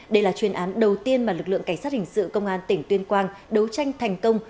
đây là chuyên án đầu tiên mà lực lượng cảnh sát hình sự công an tỉnh tuyên quang đấu tranh thành công